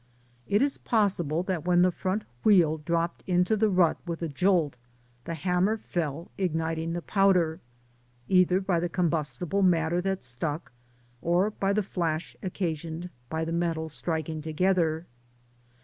It is possible that when the front wheel dropped into the rut with a jolt the hammer fell, igniting the powder, either by the com bustible matter that stuck, or by the flash occasioned by the metal striking together.